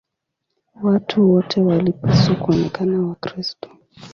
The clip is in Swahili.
Watu wote walipaswa kuonekana Wakristo.